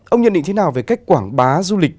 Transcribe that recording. ông nhận định thế nào về cách quảng bá du lịch